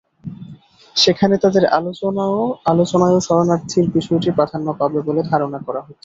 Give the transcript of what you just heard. সেখানে তাঁদের আলোচনায়ও শরণার্থীর বিষয়টি প্রাধান্য পাবে বলে ধারণা করা হচ্ছে।